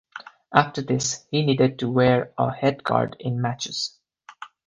After this, he needed to wear a headguard in matches.